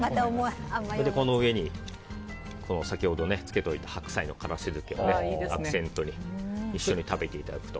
この上に先ほど漬けておいた白菜の辛子漬けをアクセントに一緒に食べていただくと。